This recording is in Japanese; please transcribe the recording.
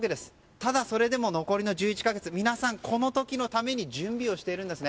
ただそれでも残りの１１か月、皆さんこの時のために準備をしているんですね。